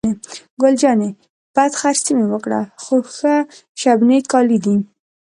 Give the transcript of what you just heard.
ګل جانې: بد خرڅي مې وکړل، خو ښه شبني کالي دي.